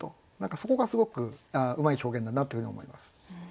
そこがすごくうまい表現だなというふうに思います。